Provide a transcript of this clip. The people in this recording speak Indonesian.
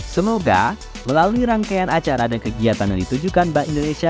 semoga melalui rangkaian acara dan kegiatan yang ditujukan bank indonesia